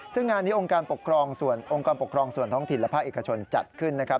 ซึ่งงานที่องค์การปกครองส่วนท้องถิ่นและภาคเอกชนจัดขึ้นนะครับ